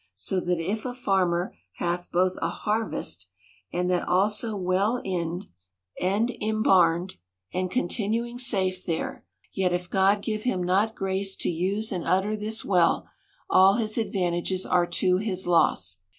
So that if a farmer hath both a harvest, and that also well inned 29^ 66 THE COUNTRY PARSON. and imbarned, and continuing safe there ; yet if God give him not grace to use and utter this well, all his advantages are to his loss.